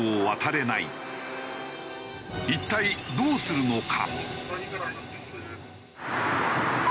一体どうするのか？